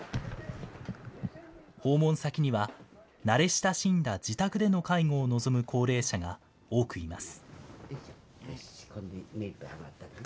訪問先には、慣れ親しんだ自宅での介護を望む高齢者が多くいます。